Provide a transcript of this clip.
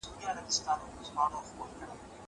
زه باید درس ولولم!!